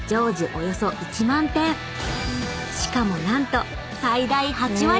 ［しかも何と］